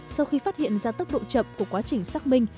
sau khi phát hiện ra tốc độ chậm của quá trình xác minh